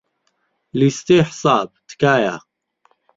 لیستەی حساب، تکایە.